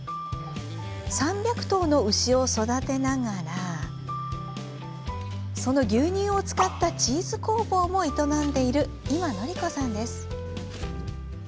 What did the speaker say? ３００頭の牛を育てながらその牛乳を使ったチーズ工房も営んでいる今範子さんです。